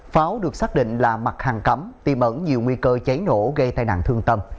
pháo được xác định là mặt hàng cấm tìm ẩn nhiều nguy cơ cháy nổ gây tai nạn thương tâm